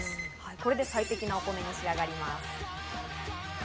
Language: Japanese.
これで最適なお米に仕上がります。